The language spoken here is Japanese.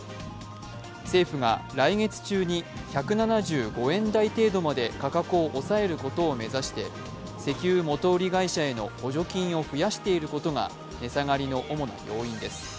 政府が来月中に１７５円台程度まで価格を抑えることを目指して石油元売り会社への補助金を増やしていることが値下がりの主な要因です。